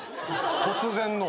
突然の。